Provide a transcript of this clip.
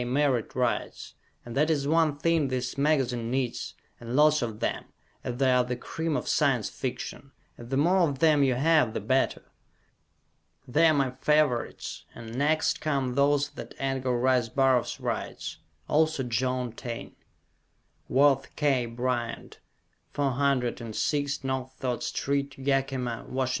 Merritt writes, and that is one thing this magazine needs, and lots of them, as they are the cream of Science Fiction, and the more of them you have, the better! They are my favorites, and next come those that Edgar Rice Burroughs writes; also John Taine. Worth K. Bryant, 406 No. Third St., Yakima, Wash.